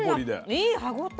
いい歯応え。